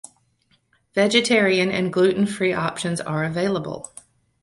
Vegetarian and gluten free options are availabl.